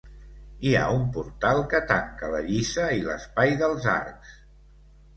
Hi ha un portal que tanca la lliça i l'espai dels arcs.